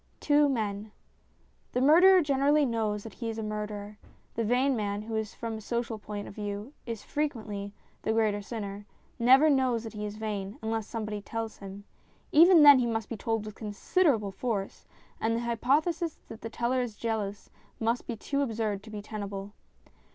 VI TWO MEN THE murderer generally knows that he is a murderer ; the vain man who, from a social point of view, is frequently the greater sinner never knows that he is vain, unless somebody tells him. Even then he must be told with considerable force, and the hypothesis that the teller is jealous must be too absurd to be tenable.